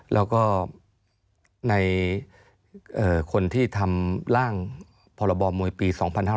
แล้วก็ในคนที่ทำร่างพรบมวยปี๒๕๕๙